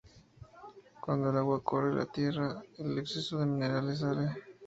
Cuando el agua corre sobre la tierra, el exceso de minerales sale.